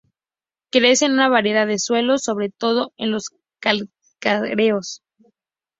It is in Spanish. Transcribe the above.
Crece en una variedad de suelos, sobre todo en los calcáreos.